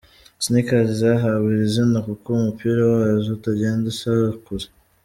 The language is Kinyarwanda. Sneakers” zahawe iri zina kuko umupira wazo utagenda usakuza.